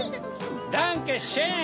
ダンケシェーン！